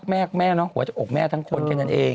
แม่เนาะหัวจะอกแม่ทั้งคนแค่นั้นเอง